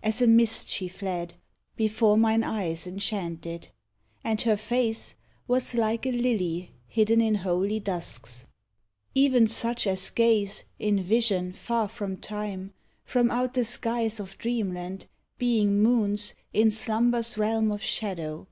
As a mist she fled Before mine eyes enchanted; and her face Was like a lily hidden in holy dusks Even such as gaze, in vision far from Time, From out the skies of dreamland, being moons In slumber's realm of shadow.